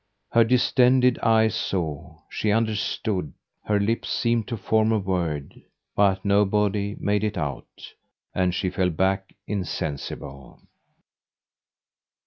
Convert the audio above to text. Her distended eyes saw she understood her lips seemed to form a word, but nobody made it out; and she fell back insensible.